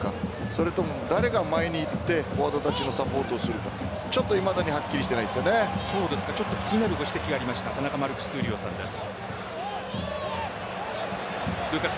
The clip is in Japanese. それとも誰が前に行ってフォワードたちのサポートをするかちょっと、いまだに気になるご指摘がありました田中マルクス闘莉王さんです。